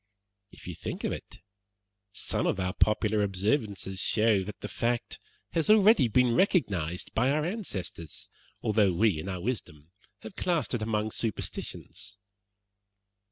If you think of it, some of our popular observances show that the fact has already been recognized by our ancestors, although we, in our wisdom, have classed it among superstitions."